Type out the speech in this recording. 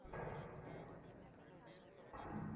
বিনোদিনী তিন বার স্বীকার করিল।